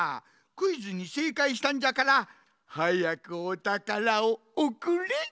クイズにせいかいしたんじゃからはやくおたからをおくれ！